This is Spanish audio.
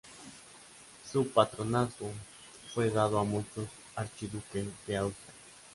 Su patronazgo fue dado a muchos archiduques de Austria.